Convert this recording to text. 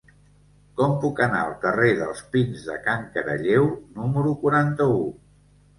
Com puc anar al carrer dels Pins de Can Caralleu número quaranta-u?